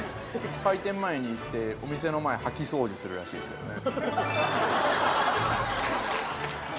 開店前に行ってお店の前掃き掃除するらしいっすけどね